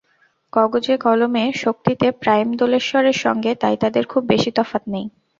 কাগজে-কলমের শক্তিতে প্রাইম দোলেশ্বরের সঙ্গে তাই তাদের খুব বেশি তফাত নেই।